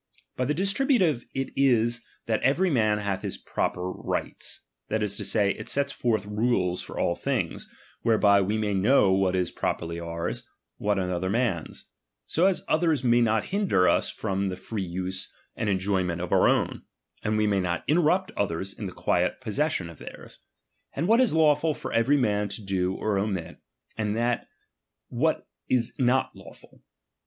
By the distribu tive it is, that every man hath his proper rights ; that is to say, it sets forth rules for all things, ■whereby we may know what is properly cur's, what another man's ; so as others may not hinder us from the free use and enjoyment of our own, and we may not interrupt others in the quiet pos session of their's ; and what is lawful for every man to do or omit, and what is not lawful.